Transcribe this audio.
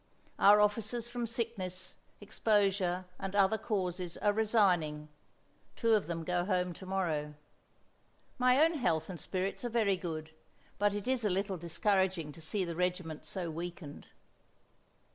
Our officers from sickness, exposure and other causes are resigning; two of them go home to morrow. My own health and spirits are very good, but it is a little discouraging to see the regiment so weakened."